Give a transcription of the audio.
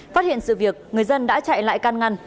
phát hiện sự việc người dân đã chạy lại can ngăn